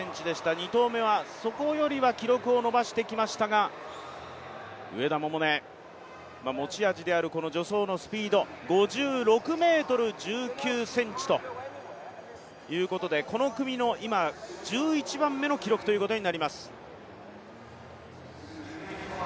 ２投目はそこよりは記録を伸ばしてきましたが、上田百寧、持ち味である助走のスピード５６ｍ１９ｃｍということで、この組の１１番目の記録ということになりました。